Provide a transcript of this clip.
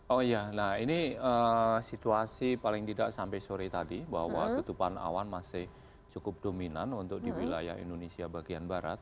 oh iya nah ini situasi paling tidak sampai sore tadi bahwa tutupan awan masih cukup dominan untuk di wilayah indonesia bagian barat